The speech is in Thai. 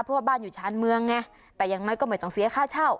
เพราะบ้านอยู่ช้านเมืองไงแต่ยังไม่ก็ไม่ต้องเสียค่าเช่า